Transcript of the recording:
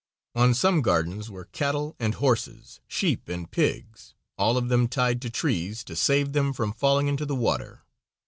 On some gardens were cattle and horses, sheep and pigs, all of them tied to trees to save them from falling into the water.